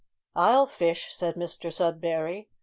"I'll fish," said Mr Sudberry.